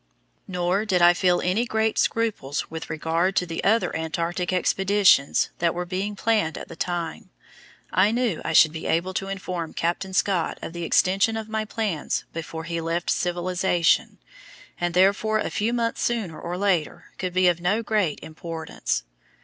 Nor did I feel any great scruples with regard to the other Antarctic expeditions that were being planned at the time. I knew I should be able to inform Captain Scott of the extension of my plans before he left civilization, and therefore a few months sooner or later could be of no great importance.